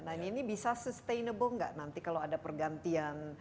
nah ini bisa sustainable nggak nanti kalau ada pergantian